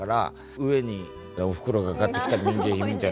上におふくろが買ってきた民芸品みたいな。